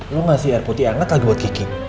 lo ngasih air putih hangat lagi buat kiki